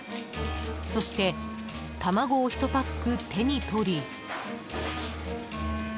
そして卵を１パック手に取り。